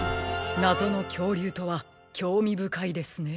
なぞのきょうりゅうとはきょうみぶかいですね。